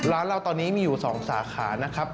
ร้านเราตอนนี้มีอยู่๒สาขานะครับ